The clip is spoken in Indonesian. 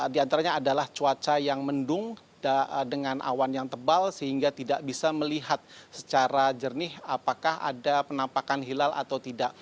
di antaranya adalah cuaca yang mendung dengan awan yang tebal sehingga tidak bisa melihat secara jernih apakah ada penampakan hilal atau tidak